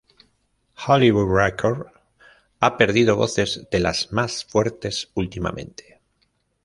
Hollywood Records, ha perdido voces de las más fuertes últimamente.